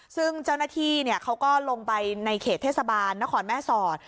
ซึ่งเจ้าหน้าที่เขาก็ลงไปในเขตเทศบาลนครแม่สอด